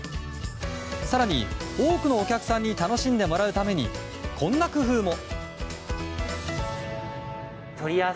更に、多くのお客さんに楽しんでもらうためにこんな工夫も。